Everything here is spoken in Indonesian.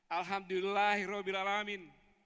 alhamdulillah roh bilalamin